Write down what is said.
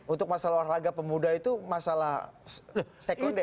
untuk masalah warna laga pemuda itu masalah sekunder